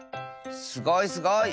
すごいすごい。